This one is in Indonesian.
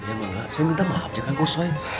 ya mbak saya minta maaf ya kang kosoen